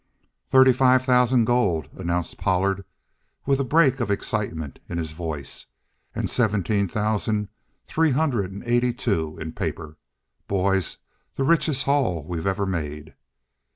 "Thirty five thousand gold," announced Pollard, with a break of excitement in his voice, "and seventeen thousand three hundred and eighty two in paper. Boys, the richest haul we ever made!